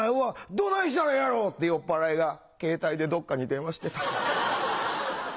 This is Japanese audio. どないしたらええやろ⁉」って酔っぱらいがケータイでどっかに電話してた。